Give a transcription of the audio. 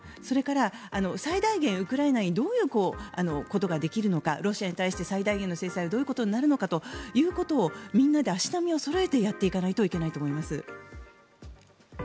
それから、最大限ウクライナにどういうことができるのかロシアに対して最大限の制裁はどういうことになるのかということをみんなで足並みをそろえてやっていかないといけないと思います。